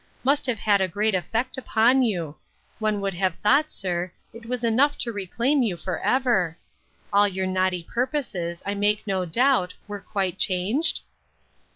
must have had a great effect upon you. One would have thought, sir, it was enough to reclaim you for ever! All your naughty purposes, I make no doubt, were quite changed?